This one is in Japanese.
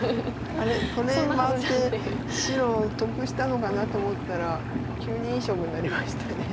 これまで白得したのかなと思ったら急にいい勝負になりました。